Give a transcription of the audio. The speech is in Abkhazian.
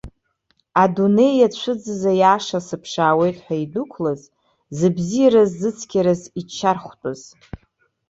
Адунеи иацәыӡыз аиаша сыԥшаауеит ҳәа идәықәлаз, зыбзиараз, зыцқьараз иччархәтәыз.